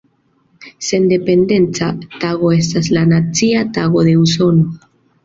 Sendependeca Tago estas la Nacia Tago de Usono.